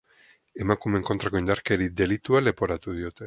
Emakumeen kontrako indarkeria delitua leporatu diote.